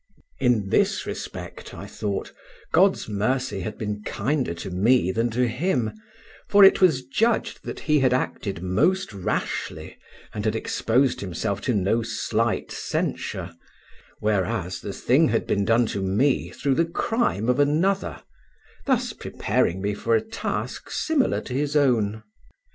In this respect, I thought, God's mercy had been kinder to me than to him, for it was judged that he had acted most rashly and had exposed himself to no slight censure, whereas the thing had been done to me through the crime of another, thus preparing me for a task similar to his own.